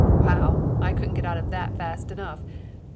I couldn't get out of that fast enough.